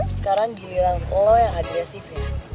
sekarang giliran lo yang agresif ya